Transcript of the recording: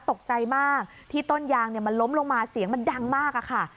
ตกใจมากที่ต้นยางมันล้มลงมาเสียงมันดังมากอะค่ะ